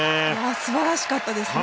素晴らしかったですね！